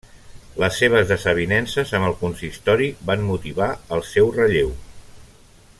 Les seves desavinences amb el consistori van motivar el seu relleu.